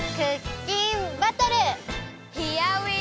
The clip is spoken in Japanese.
ヒアウィーゴー！